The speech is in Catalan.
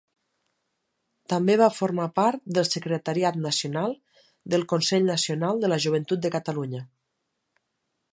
També va formar part del secretariat nacional del Consell Nacional de la Joventut de Catalunya.